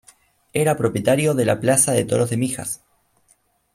Era propietario de la plaza de toros de Mijas.